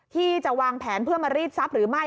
ที่จะวางแผนเพื่อมารีดทรัพย์หรือไม่